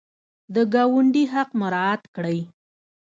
د ګاونډي حق مراعات کړئ